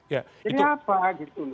jadi apa gitu